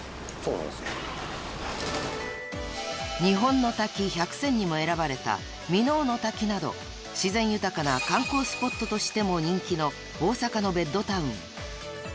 ［日本の滝１００選にも選ばれた箕面の滝など自然豊かな観光スポットとしても人気の大阪のベッドタウン］